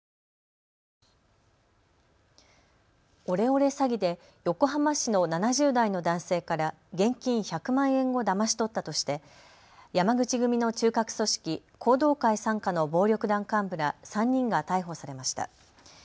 オレオレ詐欺で横浜市の７０代の男性から現金１００万円をだまし取ったとして山口組の中核組織、弘道会傘下の暴力団幹部ら３人が逮捕されました。